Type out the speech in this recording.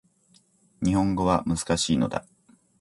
日本語は難しいのだ